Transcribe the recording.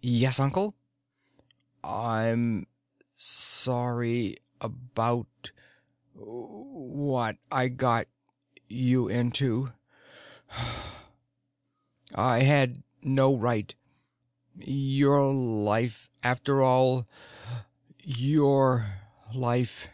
"Yes, uncle?" "I'm sorry about what I got you into. I had no right. Your life after all your life.